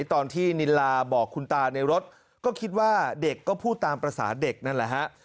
ตอนที่นิลาบอกคุณตาในรถก็คิดว่าเด็กก็พูดตามภาษาเด็กนั่นแหละฮะ